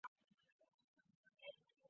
车站位于京汉大道与江汉路的交汇处。